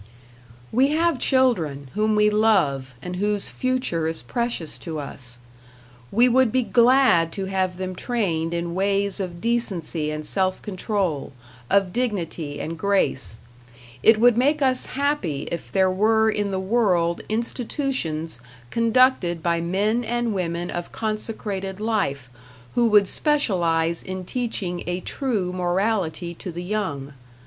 We have children, whom we love, and whose future is precious to us. We would be glad to have them trained in ways of decency and self control, of dignity and grace. It would make us happy if there were in the world institutions conducted by men and women of consecrated life who would specialize in teaching a true morality to the young.